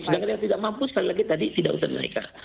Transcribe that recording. sedangkan yang tidak mampu sekali lagi tadi tidak usah dinaikkan